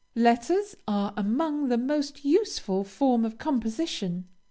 Letters are among the most useful forms of composition.